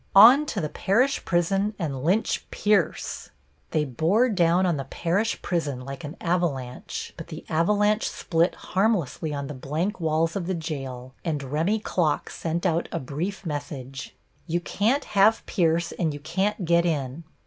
On to the Parish Prison and lynch Pierce!" They bore down on the Parish Prison like an avalanche, but the avalanche split harmlessly on the blank walls of the jail, and Remy Klock sent out a brief message: "You can't have Pierce, and you can't get in."